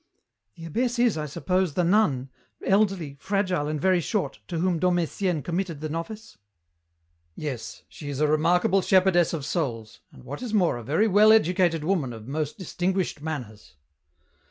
*' The abbess is, I suppose, the nun, elderly, fragile and very short, to whom Dom Etienne committed the novice ?"" Yes. She is a remarkable shepherdess of souls, and what is more, a very well educated woman of most dis tinguished manners."